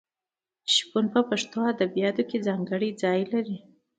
شپون په پښتو ادبیاتو کې ځانګړی ځای لري.